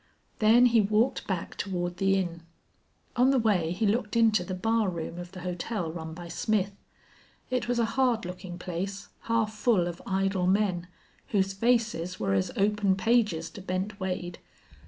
Then he walked back toward the inn. On the way he looked into the barroom of the hotel run by Smith. It was a hard looking place, half full of idle men, whose faces were as open pages to Bent Wade.